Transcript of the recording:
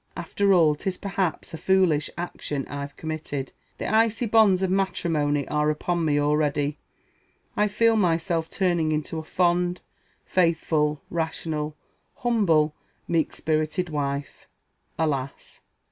After all, 'tis perhaps a foolish action I've committed. The icy bonds of matrimony are upon me already; I feel myself turning into a fond, faithful, rational, humble, meek spirited wife! Alas!